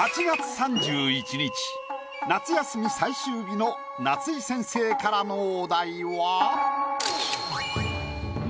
夏休み最終日の夏井先生からのお題は。